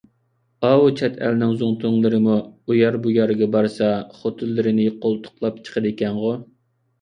ئاۋۇ چەت ئەلنىڭ زۇڭتۇلىرىمۇ ئۇ يەر – بۇ يەرگە بارسا خوتۇنلىرىنى قولتۇقلاپ چىقىدىكەنغۇ!